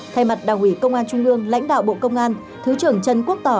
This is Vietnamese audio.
thay mặt đảng ủy công an trung ương lãnh đạo bộ công an thứ trưởng trần quốc tỏ